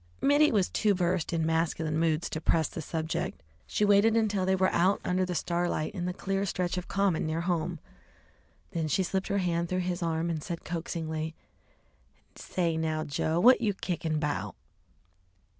Mittie was too versed in masculine moods to press the subject. She waited until they were out under the starlight in the clear stretch of common near home. Then she slipped her hand through his arm and said coaxingly "Say now, Joe, what you kickin' 'bout?"